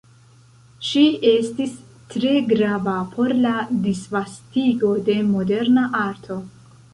Ŝi estis tre grava por la disvastigo de moderna arto.